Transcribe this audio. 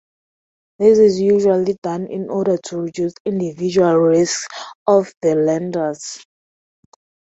This is usually done in order to reduce individual risks of the lenders.